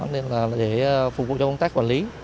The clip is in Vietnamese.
nên là để phục vụ cho công tác quản lý